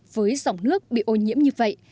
với dòng nước bị ô nhiễm như vậy